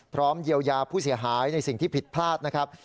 พร้อมเยียวยาผู้เสียหายในสิ่งที่ผิดพลาดนะครับ